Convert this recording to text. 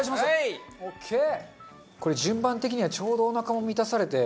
これ順番的にはちょうどおなかも満たされて。